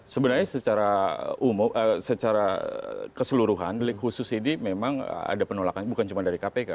sebenarnya secara keseluruhan dilik khusus ini memang ada penolakan bukan cuma dari kpk